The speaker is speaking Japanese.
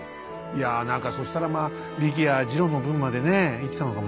いや何かそしたらまあリキやジロの分までね生きたのかもしれないね